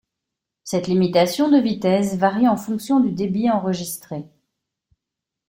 Cette limitation de vitesse varie en fonction du débit enregistré.